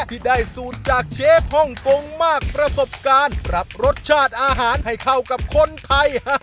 ที่ได้สูตรจากเชฟฮ่องกงมากประสบการณ์ปรับรสชาติอาหารให้เข้ากับคนไทย